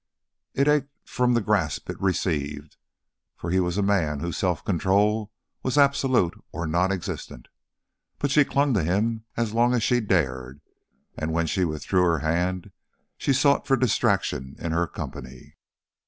It ached from the grasp it received, for he was a man whose self control was absolute or non existent. But she clung to him as long as she dared, and when she withdrew her hand she sought for distraction in her company.